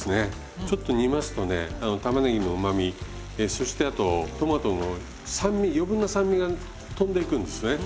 ちょっと煮ますとね玉ねぎのうまみそしてあとトマトの酸味余分な酸味がとんでいくんですね。